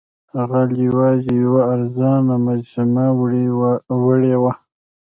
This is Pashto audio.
غل یوازې یوه ارزانه مجسمه وړې وه.